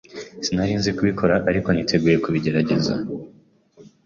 Sinari nzi kubikora, ariko niteguye kubigerageza.